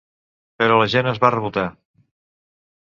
Però la gent es va rebotar.